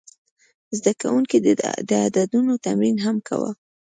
زده کوونکي د عددونو تمرین هم کاوه.